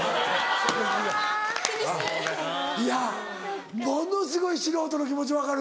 ・厳しい・いやものすごい素人の気持ち分かる。